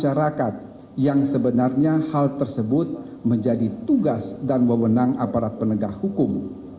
masyarakat yang sebenarnya hal tersebut menjadi tugas dan memenang aparat penegak hukum